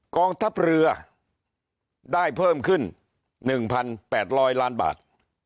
กองทัพเรือได้เพิ่มขึ้น๑๘๐๐ล้านบาท